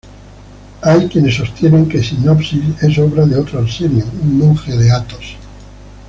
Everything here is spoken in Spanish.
Hay quienes sostienen que "Sinopsis" es obra de otro Arsenio, un monje de Athos.